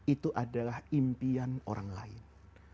itu adalah impian orang lain